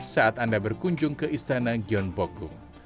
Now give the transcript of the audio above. saat anda berkunjung ke istana gyeonbokgung